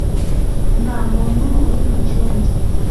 nta muntu uri mu cyumba